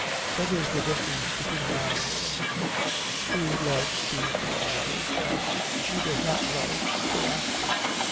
That is the difference between a man and a woman. He loves before marriage, and she does not love till after."